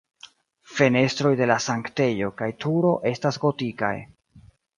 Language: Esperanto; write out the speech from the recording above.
Fenestroj de la sanktejo kaj turo estas gotikaj.